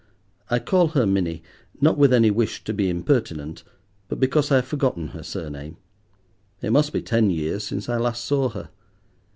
I call her Minnie, not with any wish to be impertinent, but because I have forgotten her surname. It must be ten years since I last saw her.